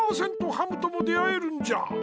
ハムとも出会えるんじゃ！